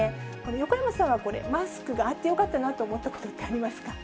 横山さんはこれ、マスクがあってよかったなと思ったことってありますか。